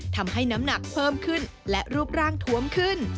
ทำให้น้ำหนักเพิ่มขึ้นและรูปร่างทวมขึ้น